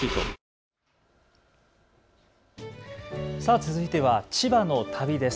続いては千葉の旅です。